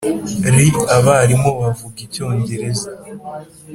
Ri abarimu bavuga icyongereza